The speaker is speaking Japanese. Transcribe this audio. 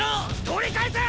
取り返せ！